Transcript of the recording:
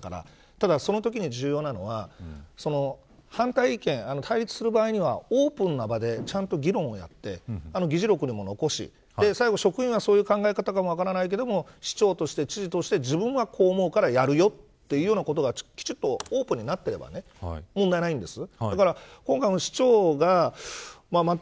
ただ、そのときに重要なのは反対意見、対立する場合にはオープンな場でちゃんと議論をやって議事録にも残し最後、職員はそういう考え方かも分からないけど市長として、知事として自分はこうやるということがきちんとオープンになっていれば問題ないんです。